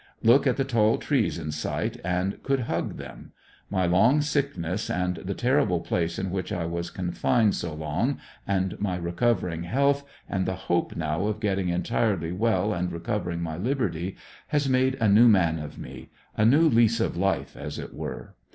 Look at the tall trees in sight, and could hug them. My long sickness and the terrible place in which I was confined so long, and my recovering health, and the hope now of getting entire ly well and recovering my liberty, has made a new man of me — a new lease of life, as it were.